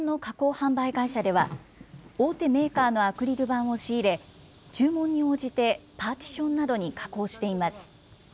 販売会社では、大手メーカーのアクリル板を仕入れ、注文に応じて、パーティションなどに加工しています。